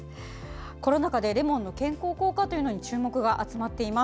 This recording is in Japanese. コロナ禍でレモンの健康効果に注目が高まっています。